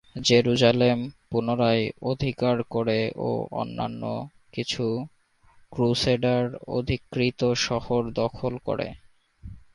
Jerusalem পুনরায় অধিকার করে ও অন্যান্য কিছু ক্রুসেডার অধিকৃত শহর দখল করে।